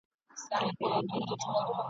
یوه نه زر خاطرې ..